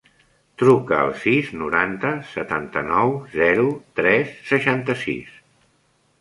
Truca al sis, noranta, setanta-nou, zero, tres, seixanta-sis.